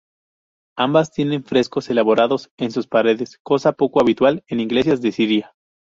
Ambas tienen frescos elaborados en sus paredes, cosa poco habitual en iglesias de Siria.